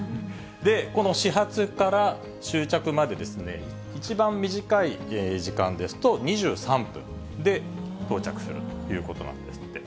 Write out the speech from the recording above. この始発から終着まで、一番短い時間ですと、２３分で到着するということなんですって。